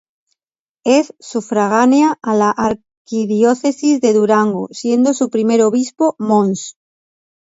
Es sufragánea a la Arquidiócesis de Durango siendo su primer obispo Mons.